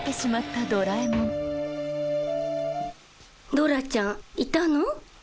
ドラちゃんいたの？